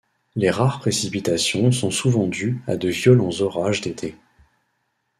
Les rares précipitations sont souvent dues à de violents orages d'été.